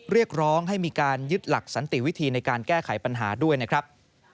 เรียกร้องให้มีการยึดหลักสันติวิธีในการแก้ไขปัญหาด้วยนะครับ